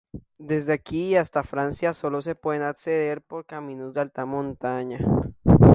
Desde aquí y hasta Francia sólo se puede acceder por caminos de alta montaña.